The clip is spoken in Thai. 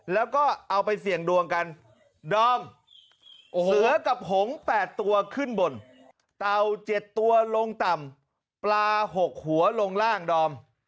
แล้วก็เอาไปเสี่ยงดวงกันดอมเสือกับหงษ์๘ตัวขึ้นบนเต่า๗ตัวลงต่ำปลา๖หัวลงล่างดอม